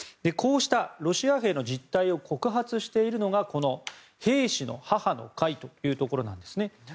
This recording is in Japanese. こうしたロシア兵の実態を告発しているのがこの、兵士の母の会というところなんですね。